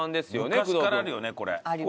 昔からあるよねこれ。